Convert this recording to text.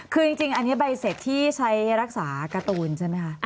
คือจริงอันนี้ใบเสร็จที่ใช้รักษาการ์ตูนใช่ไหมคะ